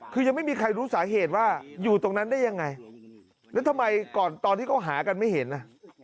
คือยังไม่มีใครรู้สาเหตุว่าอยู่ตรงนั้นได้ยังไงแล้วทำไมก่อนตอนที่เขาหากันไม่เห็นน่ะ